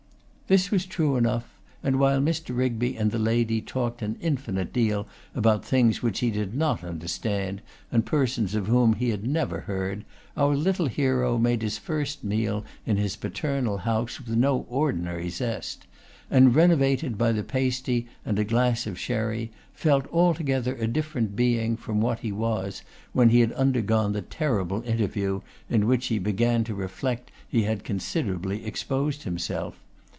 This was true enough; and while Mr. Rigby and the lady talked an infinite deal about things which he did not understand, and persons of whom he had never heard, our little hero made his first meal in his paternal house with no ordinary zest; and renovated by the pasty and a glass of sherry, felt altogether a different being from what he was, when he had undergone the terrible interview in which he began to reflect he had considerably exposed himself.